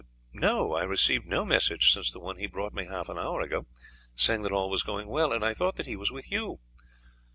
"No, I received no message since the one he brought me half an hour ago, saying that all was going well, and I thought that he was with you.